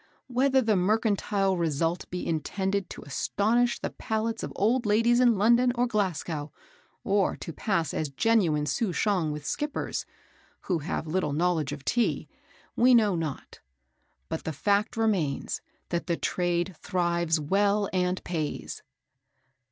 Whether the mercantile result be intended to astonish the palates of old ladies in London or Glasgow, or to pass as genuine Souchong with skippers, who have little knowledge of Tea, we know not; but the fact remains, that the trade thrives well and pays.